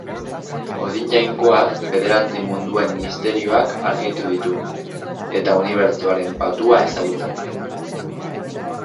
Odin jainkoak bederatzi munduen misterioak argitu ditu eta unibertsoaren patua ezagutzen ditu.